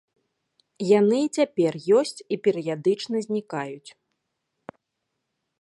Яны і цяпер ёсць і перыядычна знікаюць.